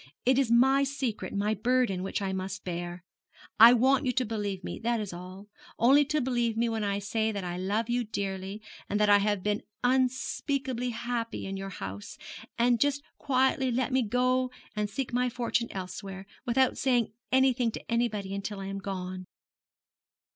It is my secret my burden which I must bear. I want you to believe me, that is all, only to believe me when I say that I love you dearly, and that I have been unspeakably happy in your house and just quietly let me go and seek my fortune elsewhere without saying anything to anybody until I am gone.'